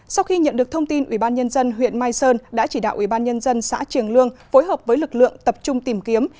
sau khi nhận được thông tin ubnd huyện mai sơn đã chỉ đạo ubnd xã triềng lương phối hợp với lực lượng tập trung tìm kiếm